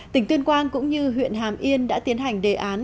tỉnh tuyên quang cũng như huyện hàm yên đã tiến hành đề án